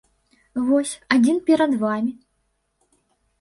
Вось, адзін перад вамі!